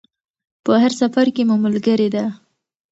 په هر سفر کې مو ملګرې ده.